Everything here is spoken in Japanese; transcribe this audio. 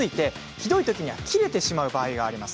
ひどいときには切れてしまう場合があります。